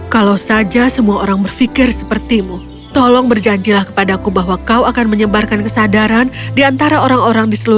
kalau saja semua orang berpikir sepertimu tolong berjanjilah kepadaku bahwa kau akan menyebarkan kesadaran di antara mereka